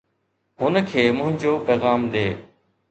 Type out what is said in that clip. هن کي منهنجو پيغام ڏي